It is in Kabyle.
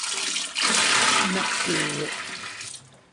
Meḥsub.